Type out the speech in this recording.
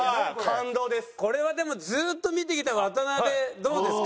これはずーっと見てきた渡辺どうですか？